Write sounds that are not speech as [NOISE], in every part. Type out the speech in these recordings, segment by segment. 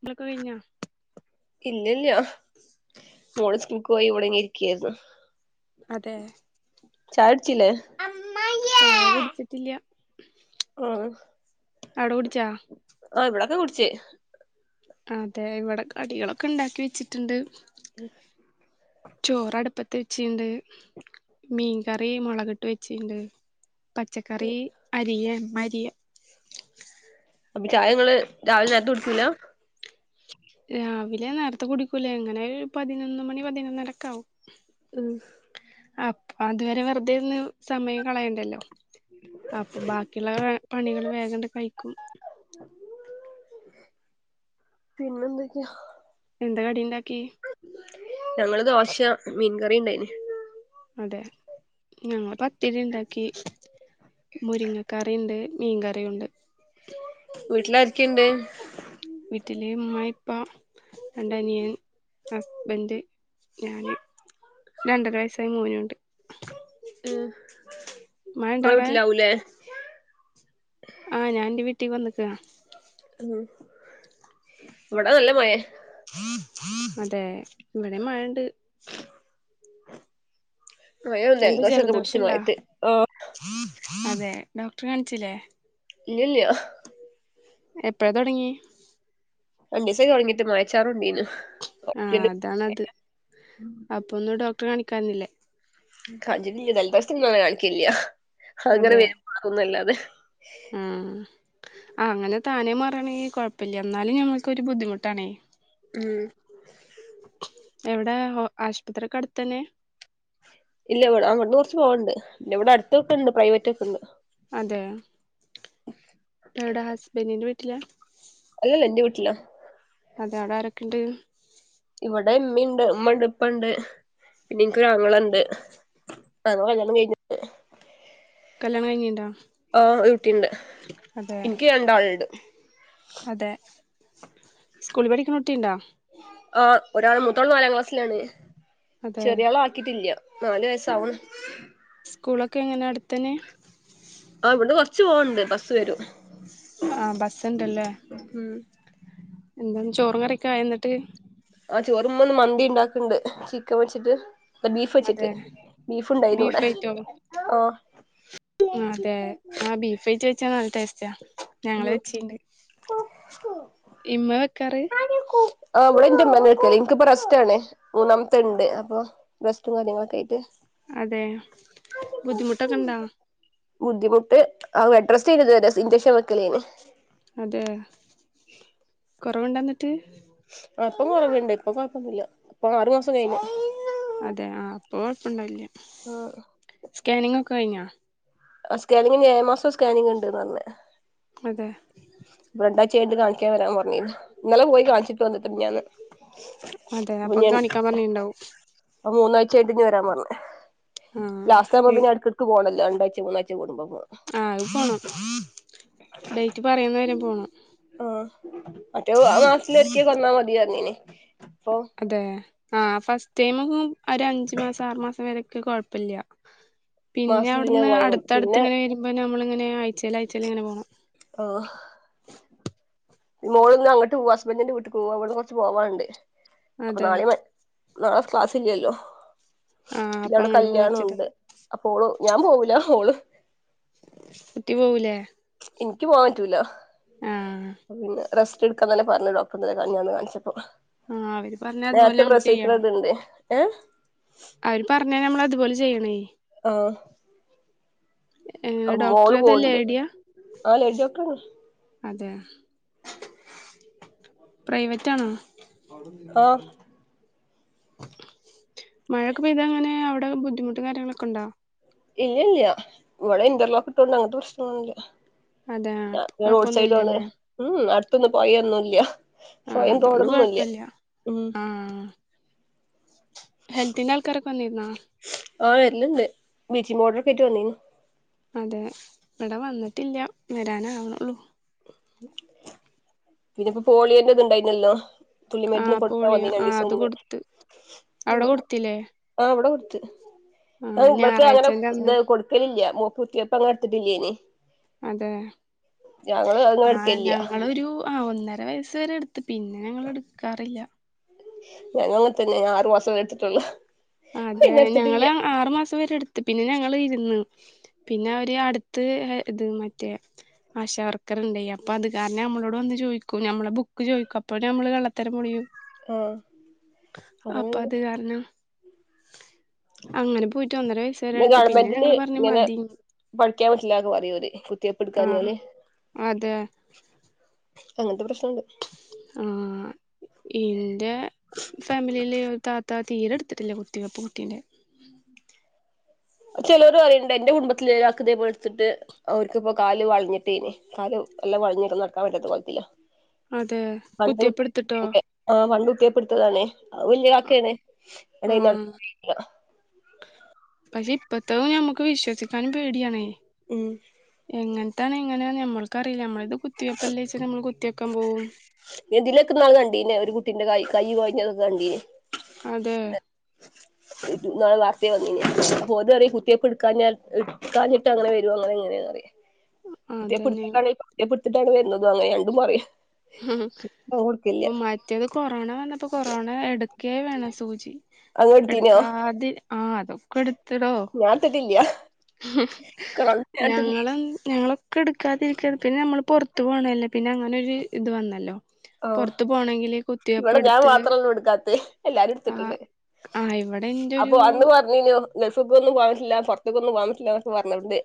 ഇന്തൊക്കെ കഴിഞ്ഞോ ഇല്ലല്ല മോള സ്കൂൾക്ക് പോയി ഉവിടങ്ങി ഇരിക്കായിരുന്നു അതെ ചായ്‌ടിച്ചില്ലേ ചായ കുട്ത്തിട്ടില്ല ആഹ് അടോടിച്ചാ ആഹ് ഇവിടെൊക്കെ കുടിച്ചേ അതെ ഇവിടെ കടികളൊക്കെ ഉണ്ടാക്കി വെച്ചിട്ടുണ്ട് ചോറടുപ്പത്ത് വെച്ചിണ്ട് മീൻകറി മുളകിട്ട് വെച്ചിണ്ട് പച്ചക്കറി അരിയ മരിയ അപ്പൊ ചായങ്ങള് രാവിലെ നെരെത്തെ കുടിക്കൂല്ല രാവിലെ നേരത്തെ കുടിക്കൂലേ എങ്ങനെ ആയാലും പതിനൊന്ന് മണി പതിനൊന്നരക്കെ ആവും ഉം അപ്പ അതുവരെ വെറുതെന്ന് സമയം കളയണ്ടല്ലോ അപ്പൊ ബാക്കിയുള്ള പണികൾ വേഗണ്ട് കഴിക്കും പിന്നെന്തൊക്കെയാ എന്താ കടിണ്ടാക്കി ഞങ്ങള് ദോശ മീൻ കറി ണ്ടായിന് അതെ ഞങ്ങ പത്തിരിണ്ടാക്കി മുരിങ്ങക്കറിണ്ട് മീൻകറിയുണ്ട് വീട്ടിലാരിക്കുണ്ട് വീട്ടില് മ്മ പ്പ രണ്ടനിയൻ ഹസ്ബൻഡ് ഞാന് രണ്ടര വയസ്സായി മോന്നുണ്ട് ഉം മഴണ്ടോ ങ്ങളെ അവിടെ വീട്ടിലാവൂലേ ആഹ് ഞാന്റെ വീട്ടീവന്നക്ക ഉം ഇവിട നല്ല മഴെ അതെ ഇവിടെ മഴണ്ട് ഭയം എന്താ ദോഷമൊക്കെ പിടിച്ച ജലദോഷംണ്ടാ മയത്ത് അതെ ഡോക്ടറേ കാണിച്ചില്ലേ ഇലില്ലാ എപ്പഴാ തുടങ്ങി രണ്ടിസ തുടങ്ങിട്ട് മായച്ചാറണ്ടീന്ന് അതണത് അപ്പൊ ഒന്ന് ഡോക്ടറെ കാണിക്കാരുന്നില്ലേ കാഞ്ചില്ല ജലദിവസ നളെ കാണിക്കില്ല അങ്ങനെ വരും മാറുന്നല്ലാതെ ഉം ആഹ് അങ്ങനെ താനേ മാറണ കുഴപ്പല്ല എന്നാലും ഞമ്മൾക്കരു ബുദ്ധിമുട്ടാണേ ഉം എവിടെ ആശ്പത്ര്യൊക്കെ അട്ത്തന്നെ ഇല്ല ഇവിടെ അങ്ങട്ട് കൊർച്ച് പോവ്ണ്ട് പിന്നെവ്ടെ അട്ത്തൊക്കെണ്ട് പ്രൈവറ്റ് ഒക്കെണ്ട് അതെ ഇപ്പൊ എവ്ടെ ഹസ്ബൻ്റിന്റെ വീട്ട്ല അല്ലല്ല ഇന്റെ വിട്ട്ല അതെ അവ്ടെ ആരൊക്കെണ്ട് ഇവ്ടെ ഇമ്മിണ്ട് ഉമ്മണ്ട് ഇപ്പണ്ട് പിന്നെ ഇൻക്കൊരാങ്ങളണ്ട് [UNINTELLIGIBLE] കല്യാണം കൈഞ് കല്യാണം കയ്ഞീണ്ട ആഹ് ഒരുട്ടിണ്ട് ഇൻക്ക് രണ്ടാൾണ്ട് അതെ സ്കൂളി പഠിക്കിണ കുട്ടിണ്ടോ ആഹ് ഒരാള് മൂത്താള് നാലാം ക്ലാസ്സ്ലാണ് അതെ ചെറ്യാളാ കിട്ടില്ല്യ നാല് വയസ്സാവ്ണ് സ്കൂളൊക്കെങ്ങനെ അട്ത്തെന്നെ ആ ഇവ്ട്ന്ന് കൊർച്ച് പോവാണ്ട് ബസ്സ് വരും ആഹ് ബസ്സിണ്ട് ലേ ഉം എന്താന്ന് ചോറും കറ്യൊക്കായ ഇന്ന്ട്ട് ആഹ് ചോറ് മ്മന്ന് മന്തിണ്ടാക്കിണ്ട് ചിക്കൻ വെച്ചിട്ട് ബീഫെച്ചിട്ട് അതെ ബീഫ് ബീഫ്ണ്ടായീന്നുവ്ടെ ആഹ് ആഹ് അതെ ആഹ് ബീഫേറ്റ് വെച്ചാ നൽ ടേസ്റ്റാ ഞങ്ങള് ഉം വെച്ചീണ്ട്, ഇമ്മേ വെക്കാറ്? ആഹ് ബടെ ന്റെമ്മന്നെ വെക്കല് ഇൻകിപ്പൊ റെസ്റ്റാണ് മൂന്നാംത്തെണ്ട് അപ്പൊ റെസ്റ്റും കാര്യങ്ങളൊക്കായ്റ്റ് അതെ ബുദ്ധിമുട്ടൊക്കെണ്ടാ? ബുദ്ധിമുട്ട് ആഹ് ബെഡ് റെസ്റ്റേയ്നിത് വരേ ഇഞ്ചെക്ഷൻ വെക്കലേന് അതെ കൊറവ്ണ്ടന്ന്ട്ട് ആഹ് ഇപ്പം കൊറവ്ണ്ട് ഇപ്പൊ കൊയ്പ്പൊന്നൂല്ല ഇപ്പാറ് മാസം കയ്ഞ്ഞു അതെ ആഹ് ഇപ്പൊ കൊഴപ്പണ്ടാവൽല്ല ആഹ് സ്കാനിങ്ങൊക്കഴിഞ്ഞാ ആഹ് സ്കാനിങ്ങിഞ്ഞ് ഏഴാമാസം സ്കാനിങിണ്ടിന്നാർഞ്ഞെ അതെ ഇപ്പ രണ്ടായ്ച്ചെയ്ഞ്ട്ട് കാണിക്കാൻ വരാൻ പറഞ്ഞീന്ന് ഇന്നലെ പോയി കാൺച്ചിട്ട് വന്ന്പ്പ മിഞ്ഞാന്ന് അതെ അപ്പ കാണിക്കാൻ പറഞ്ഞീണ്ടാവും പ മൂന്നായ്ചയ്ഞ്ട്ട് ഇഞ്ഞ് വെരാൻ പർഞ്ഞ് ആ ലാസ്റ്റാവുമ്പോ പിന്നെട്ക്ക് ക്ക് പോണം രണ്ടായ്ച്ച മൂന്നായ്ച്ച കൂടുമ്പം പോണം ആഹ് അയ് പോണം ഡെയ്റ്റ് പറയ്ന്ന വരേ പോണം ആഹ് മറ്റേ അത് മാസ്ലൊര്ക്കെ വന്നാ മതി പർഞ്ഞീനി ഇപ്പൊ അതെ ആഹ് ഫസ്റ്റ് ടൈമൊന്നും ഒരഞ്ച് മാസം ആറ് മാസം വരൊക്കെ കൊഴപ്പല്ല്യ മാസത്തിലിങ്ങനെ പിന്നവ്ട്ന്ന് പോയാ മതി പിന്നെ അട്ത്തട്ത്ത്ങ്ങനെ വരുമ്പോ നമ്മളിങ്ങനെ ആയ്ച്ചേലായ്ച്ചേലിങ്ങനെ പോണം ഓഹ് മോളിന്ന് അങ്ങട്ട് പോവ ഹസ്ബൻറിന്റെ വീട്ട്ക്ക് പോക ഇവ്ട്ന്ന് കൊർച്ച് പോവാണ്ട് അപ്പൊ അതെ നാളി മ നാളെ ക്ലാസ്ല്ല്ല്യല്ലോ ആ അപ്പൊ പിന്നവ്ടെ അങ്ങോട്ട് പോവാച്ചിട്ട കല്യാണൊണ്ട് അപ്പോള് ഞാൻ പോവൂല ഓള് കുട്ടി പോവൂലേ എനിക്ക് പോവാൻ പറ്റൂല ആഹ് പിന്നെ റസ്റ്റ്ട്ക്കാന്നലെ പർഞ്ഞെ ഡോക്ടറ് ഇന്നലെ കഞ്ഞാന്ന് കാൺച്ചപ്പോ ആ അവര് പറഞ്ഞ അതുപോലെ നേര്ത്തെ നമ്മൾ ചെയ്യണം പ്രസിവ്ക്ക്ണതിണ്ട് ഏഹ് അവര് പർഞ്ഞാ നമ്മളത് പോലെ ചെയ്യണെയ് ആഹ് ഏഹ് മോള് ഡോക്ടറേതാ പോവ്ണ്ട് ലേഡ്യാ? ആ ലേഡി ഡോക്ടറാണ് അതെ പ്രൈവറ്റാണോ? അവ്ടെന്തേന് ആഹ് മഴേ? മഴൊക്കെ പെയ്താ എങ്ങനെ അവ്ടെ ബുദ്ധിമുട്ടും കാര്യങ്ങളൊക്കെണ്ടോ? ഇല്ല്യല്ല്യ ഇവ്ടെ ഇൻ്റർലോക്ക്ട്ടോണ്ട് അങ്ങൻത്തെ പ്രശ്നൊന്നൂല്ല അതെ ഞ ഇപ്പൊ ഞാൻ റോഡ് കൊഴപ്പൊന്നും സൈഡിലു ആണ് ഇല്ലല്ലേ ഉം ഉം അട്ത്തൊന്നും പൊയൊന്നുംല്ല ആഹ് അതോണ്ട് കൊയ്പ്പല്ല്യ ഉം ആഹ് ഹെൽത്തിൻ്റാൾക്കാരൊക്കെ വന്നീനാ? ആഹ് വര്ല്ണ്ട് ബ്ലീച്ചിംഗ് പൗഡറൊക്കേറ്റ് വന്നീന്. അതെ ഇവ്ടെ വന്നിട്ടില്ല്യ വരാനാവ്ണൊള്ളൂ. പിന്നെപ്പൊ പോളിയോന്റെത്ണ്ടായ്നല്ലോ തുള്ളി ആ മര്ന്ന് കൊട്ക്കാൻ പോളിയോ വന്നീന് ആ രണ്ടീസം അത് മുമ്പ് കൊടുത്ത് അവിടെ ആഹ് കൊടുത്തില്ലേ ആഹ് ഇവ്ടെ കൊട്ത്ത് ആ ആഹ് ഇവ്ട്ത്തെ അങ്ങനെ ഞായറാഴ്ചന്റെ ഇത് അന്ന് കൊട് അതിൽ ഇല്ലേ മൂക്കുത്തിയപ്പോ, ഞങ്ങൾ ഇടുത്തിട്ടില്ലേ? അതെ അങ്ങനെ ആ എടുക്കലില്ല ഞങ്ങൾ ഒരു ആ ഒന്നര വയസ് വരെ എടുത്ത്, പിന്നെ ഞങ്ങൾഎടുക്കാറില്ല. ഞങ്ങൾതന്നെ ആറു മാസം കഴിഞ്ഞ ട്ടലും എടുത്തിട്ടുള്ള. അതെ ഞങ്ങൾആറു മാസം വരെ ഇടുത്ത്, പിന്നെ ഞങ്ങൾ ഇരുന്ന്. പിന്നെ അവര് അടുത്ത് ഇത് മറ്റേ ആശാ വർക്കർ ഇണ്ടാ അപ്പോ അത് കാരണം നമ്മളോട് വന്ന് ചോദിക്കും, നമ്മളെ ബുക്ക് ചോദിക്കും അപ്പൊ നമ്മളെ കള്ളത്തരം പൊളിയും. ആഹ് അപ്പോ അങ്ങനെണ്ട് അത് കാരണം അങ്ങനെ പോയിട്ട് ഒന്നര വയസ്സ്. വരെ പിന്നെ എടുത്ത് ഗവർമെന്റില് ഞങ്ങള് പറഞ്ഞു ഇങ്ങനെ മതി പഠിക്കാൻ പറ്റൂല എന്ന് പറയും ഓര് ആ കുത്തിയടുക്കാഞ്ഞാല്. അതെ അങ്ങനത്തെ പ്രശ്നുണ്ട്. ആഹ ഇന്റെ ഫാമിലിയിലെ ഒരു താത്തക്ക് തീരെ എടുത്തിട്ടില്ല കുത്തി യപ്പ് കുട്ടിയന്റ ചേലോര് പറയേണ്ട് എന്റെ കുടംബത്തിൽ ഇതാ പോലെ ഓരൾക്ക് ഇടുത്തിട്ട്. അവർക്കിപ്പോൊ കാല് വളഞ്ഞിട്ടേനെ കാല് എല്ലാം വളഞ്ഞിട്ടും നടക്കാൻ പറ്റത്ത കോലത്തില്ലാ. അതെ പണ്ട് കുത്തിവെപ്പ് എടുത്തിട്ടോ കെടുകുന്നുണ്ട്. ആ പണ്ട് കുത്തിയപ്പ് എടുത്താണ് അത് വല്യ കാക്കാണ് അതിനു ഞാൻ ആഹ് നടക്കലില്ല പക്ഷെ ഇപ്പത്തെ ഞമ്മുക്ക് വിശ്വസിക്കാനും പേടിയാണ. ഉം എങ്ങനത്താണ് എങ്ങനെ നമ്മൾക്ക് അറിയില്ല നമ്മള് ഇത് കുത്തി വെപ്പല്ല വെച്ച് നമ്മൾ കുത്തി വെക്കാൻ പോകും. ഇന്തിലക്കന്നാ കണ്ടീനെ ഒരു കുട്ടിയന്റെ കൈ കൈ കെഴഞ്ഞത് കണ്ടീനെ [INAUDIBLE] ഇന്നാള് നേരത്തെ വന്നിരുന്നു, ഓള് പറയും കുത്തിയപ്പോൾ ഇടുക്കാഞ്ഞിട്ട് അങ്ങനെ വരും ഇങ്ങനെ കുത്തിയ അതന്നെ എടുത്തിട്ടാണെങ്കിലും കുത്തി യപ്പ് എടുത്തിട്ടാണ് വരുന്നതും, അങ്ങനെ രണ്ടുംപറയും. ഇം മറ്റേത് കൊറോണ വന്നപ്പോ കൊറോണ എടുക്കേ വേണ സൂചി അങ്ങ് എടുത്തീനോ എടുക്കാത ആ അതും. എടുത്തിടോ ഞാൻ എടുത്തിട്ടില്ല ഞാൻ എടുത്തിട്ടില്ല ഞങ്ങള ഞങ്ങൾ ഞങ്ങൾ എടുക്കാതിരിക്ക പിന്നെ പുറത്ത് പോന്നല്ല പിന്നെ അങ്ങരു ഇത് വന്നല്ലോ. ആ പുറത്തു പോണമെങ്കില് കുത്തിവെപ്പ് ഇവിടെ ഞാൻ എടുത്ത് മാത്രൊള്ളൂ എടുക്കാത്തെ എല്ലാരും ആഹ ആ ഇവിടെ എന്റെ ഒരു വന്ന് വന്ന് പറഞ്ഞ്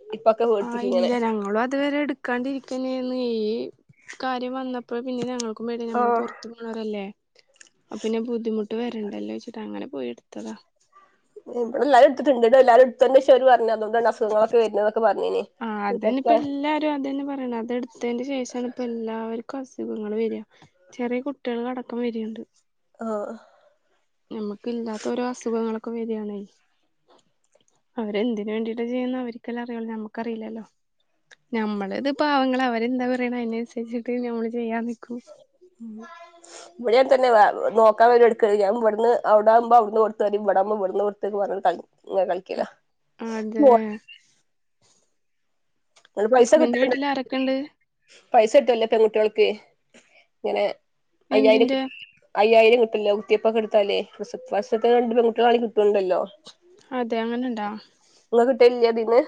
ആ ഇല്ല ഞങ്ങളും അതുവരെ എടുക്ക. കണ്ടിരിക്കുന്നന്ന് നിയ് ഈ കാര്യം വന്നപ്പോൾ പിന്നെ, ഞങ്ങൾക്കും പേടി നമ്മൾ ആഹ് പുറത്ത് ഇങ്ങൾ അവിടെ ഇല്ല, അപ്പ പിന്നെ ബുദ്ധിമുട്ട് വരണ്ടല്ലോ വെച്ചിട്ടാ അങ്ങനെ പോയി എടുത്തതാ. ഇവിടെ എല്ലാരുംഇടുത്തിട്ടുണ്ട്, ഇത് എല്ലാരും? ശരിറഞ്ഞു അതുകൊണ്ട് അസുഖങ്ങളൊക്കെ ആ വരുന്നതൊക്കെ അതന്നെ ഇപ്പ ഇതൊക്കെ. എല്ലാരും അത തന്ന പറണം, അതെ അതിന് ശേഷംഇപ്പൊ എല്ലാവർക്കും അസുഖങ്ങൾ വരാ, ചെറിയ കുട്ടികൾ അടക്കം വരിണ്ട്. ആഹ് നമ്മക്ക് ഇല്ലാത്ത ഓരോ അസുഖങ്ങളൊക്കെ വരിയാണേ അവര്എന്തിന് വേണ്ടിയിട്ട ചെയ്യുന്ന അവരിക്കെല്ലേ അറിയ നമക്കറിയില്ലല്ലോ. നമ്മള് ഇത് പാവങ്ങളഅവരെന്താ പറയണ അതിനനുസരിച്ചക്കെ നമ്മള് ചെയ്യാ നിക്കും ഉം ഇവിടെആ തന്നെ നോക്കാ വെർനോല്ക്ക് ഞാൻ ഇവിന്ന് അവിടവുമ്പോ അവിടന്നോട്തത്തി ഇവിടക്പോ ഇവിടുന്നോട് വെറും കളി ഇങ്ങനെ കളിക്കല അതെ. നിങ്ങൾ പൈസ ഹസ്ബൻഡ് കിട്ടലുണ്ട് വീട്ടില് ആരൊക്കെണ്ട് ഇതിനകത്ത്. പൈസ കിട്ടലില്ല പെൺകുട്ടിആ ൾക്ക് ഇങ്ങനെ അയ്യായിരം കി എന്തിന്റെ അയ്യായിരം കിട്ടല്ലോ കുത്തിപ്പൊ കെടുത്താലേ ഫസ്റ്റ്ത്തത് രണ്ട്പെൺകുട്ടിക ണങ്കിൽകിട്ടുണ്ടല്ലോ അതെ അങ്ങനെണ്ടോ നിങ്ങക്ക് കിട്ടലില്ലതിന്ന്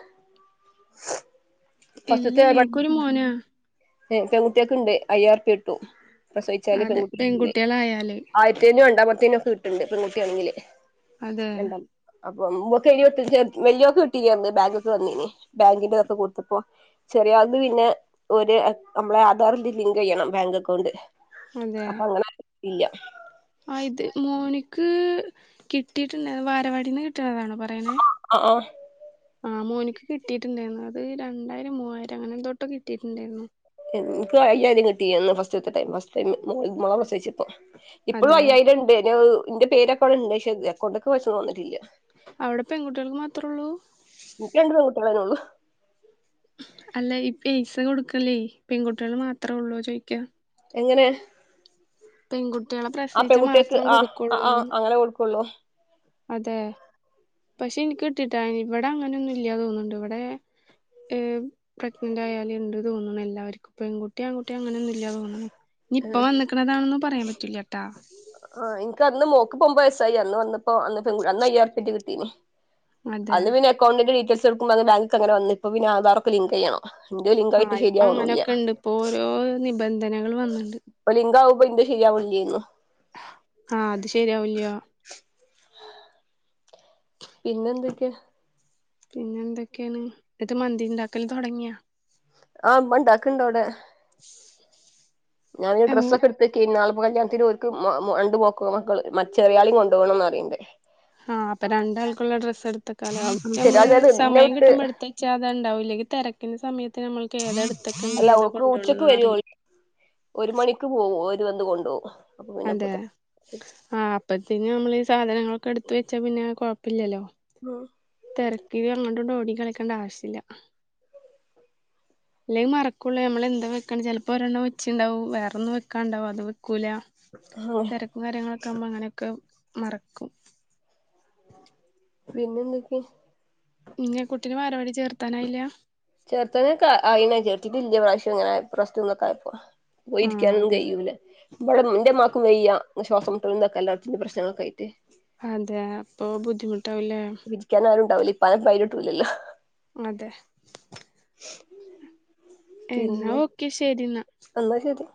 പസ്ത്തെ ഇല്ലില്ല പെ എനിക്കൊരു മോനാ പെൺകുട്ടിയക്ക് അയ്യറു പിട്ടും പ്രസവിച്ചാല് അതെ പെൺകുട്ടാണെങ്കില് പെൺകുട്ടികളായാല് ആയിത്തിനും രണ്ടാമത്തേനും ഒക്കെ കിട്ടണ്ട് പെൺകുട്ടിയാണെങ്കില് അതെ രണ്ടാം അപ്പൊ മ്മക്കെല്ലാർവലിയോക്കെ കിട്ടിന്ന് ബാങ്കിക്ക് വന്നിന് ബാങ്കിനൊക്കെ കൊട് അപ്പോ ചെറിയാൾത് പിന്നെ ഒരു നമ്മളെ ആധാറിന്റെ ലിങ്ക് ചെയ്യണം ബാങ്ക് അക്കൗണ്ട് അപ്പൊ അങ്ങനെയില്ല ആഹ് ഇത് മോനിക്ക് കിട്ടിയിട്ടുണ്ട് വാലവാടിന്ന് കിട്ടണതാണോ പറയണേ ആഹ് ആഹ് ആഹ് മോനിക്ക് കിട്ടിട്ടുണ്ടായിരുന്നു അത് രണ്ടായിരം മൂവായിരം അങ്ങനെ എന്തോട്ടോ കിട്ടിയിട്ടുണ്ടായിരുന്നു എനിക്ക് അയായിരം കിട്ടിയന്ന് ഫസ്റ്റ് ത്തെ ടൈം ഫസ്റ്റ് ടൈം മോള പ്രസവിച്ചപ്പ ഇപ്പോഴും അതെ അയ്യായിരം ഉണ്ട് എന്റെ പേരോകൊ അവടണ്ട് പക്ഷേ അക്കൗണ്ടൊക്കെ ക്ഷേ ന്നിട്ടില്ല അവിടെ പെൺകുട്ടികൾക്ക് മാത്രള്ളൂ ഇക്ക്ണ്ടും പെങ്കുട്ടിളെ നൊള്ളൂ അല്ല ഈ പൈസ കൊടുക്കല്ലേ പെൺകുട്ടികൾ മാത്രേ ഉള്ളൂ ചോയിക്ക എങ്ങനെ പെൺകുട്ടികളെ ആഹ് പ്രസവിച്ച പെൺകുട്ടിയക്ക് മാത്രം ആഹ് ആ്ഹ് കൊടുക്കുള്ളൂന്ന് അങ്ങനെ കൊടുകൊള്ളൂ അതെ പക്ഷെ എനിക്ക് കിട്ടിട്ടാ ഇവിടെ അങ്ങനെന്നും ഇല്ലയ തോന്നുണ്ട് ഇവിടെ ഏഹ് പ്രെഗ്നന്റ് ആയാലണ്ട് തോന്നുണു എല്ലർക്കും പെൺകുട്ടി ആൺകുട്ടി അങ്ങനെ ഒന്ന് ഇല്ല തോന്ന്ണ് നി ഇപ്പ വന്നക്കുന്നതാണന്നും പറയാൻ പറ്റൂല ട്ടാ ആഹ് ഇനക്ക് അന്ന് മോക്ക് ഇപ്പൊബത് വയസായി അന്ന് വന്നപ്പോ അന്ന് പെ അന്ന് അയ്യാർപ്പക്കെ കിട്ടീന അതെ അന്ന് പിന്നെക്കൗണ്ടിന്റെ ഡീറ്റെൽസ്ടുക്കോ അത് ബാങ്ക അങ്ങനെ വന്നപ്പോപ്പ പിന്ന ആധാറക്കെ ലിങ്ക് ചെയ്യണം എന്റെയ ലിങ്കായിട്ട് ശരിയാവണില്ല ഇപ്പോ ഓരോ നിബന്ധനകള് വന്നണ്ട് പോ അ ലിംഗാവുമ്പ ഇന്റെ ശരിയാവുന്നില്ലെയ്നു ആഹ് അത് ശരിയാവില്ല പിന്നെന്തൊക്കെ പിന്നെ എന്തൊക്കെയാണ് ഇട്ട് മന്തി ണ്ടാക്കല് തുടങ്ങിയാ ആഹ് മണ്ടാക്കണണ്ടവിടെ ഞാനൻരു ഡ്രസ്സൊക്കെ എടുത്ത ക്കയനു നാല്പ്പ കല്യാണത്തിന്ക്ക് മണ്ട്മോക്ക മകള ചെറി യാളിംകൊണ്ട പോകണംന്ന് അറയിണ്ടേ ആഹ് അപ്പൊ രണ്ടാൾക്കുള്ള ഡ്രസ്സ് എടുത്ത കാല നമ്മള് ചെറിയാള് ഇന്നെ സമയം വിട്ട് കിട്ടുമ്പോ എടുത്ത ച്ച അത ഉണ്ടാവും ല്ലെ ങ്കി തിരക്കിന്റെ സമയത്ത് നമ്മൾക്ക് ഏതെടു അല്ല ഓക്ക് ഉച്ചക്ക് വരു ഒരു മണിക്ക് പോവു ഒരു വന്ന് കൊണ്ടോവും അപ്പൊ പിന്നെ അപ്പ അതെ ആഹ് അപ്പത്തേന് നമ്മളീസാധനങ്ങളൊക്കെ എടുത്ത വെച്ചാ പിന്നെ കൊഴപ്പില്ലല്ലോ മ് തെരക്കിലങ്ങോണ്ട്ങ്ങോട്ട് ഓടി കളിക്കണ്ട ആവശ്യല്ല ല്ലെങ്കിമറക്കൊള്ളേ നമ്മളെന്താ വെക്ണ് ചെൽപ്പോ ഒരെണ്ണം വെച്ചിണ്ടാവും വേറെന്നു വെക്കാണ്ടാവുംഅത് വെക്കൂല [UNINTELLIGIBLE] വരങ്ങളൊക്കെ മ്മങ്ങനെക്കെ മറക്കും പിന്നെ ന്തൊക്കെയ പിന്നെകുട്ടിനെ വാലവാടി ചേർത്താനായില്ലാ ചേർത്താനെക്ക അയിണ്ണു ചേർത്തിട്ടി ല്യ പശേങ്ങനെ പ്രശ്നങ്ങായപോ ആഹ് പോയിരിക്കാനൊന്നും അതെ കയ്യൂല പടെ ന്റെമാക്കും വയ്യാ ശ്വാസം മുട്ടലും തൊക്കെ എല്ലാത്തിന്റെ പ്രശ്നങ്ങളൊക്കായിറ്റ് അതേ പ്പൊ ബുദ്ധിമുട്ടാവില്ലേ ഇരിക്യാനാരുണ്ടാവുല ഇപ്പാനെ പൈന് ട്ടൂലല്ലോ അതെ ഇന്നാ ഓക്കെ ശരിന്നാ അന്നാ ശരി